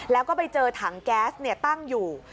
แล้วก็ไปเจอถังแก๊สตั้งอยู่